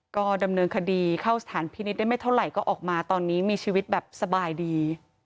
ก็ดำเนินคดีเข้าสถานพินิษฐ์ได้ไม่เท่าไหร่ก็ออกมาตอนนี้มีชีวิตแบบสบายดี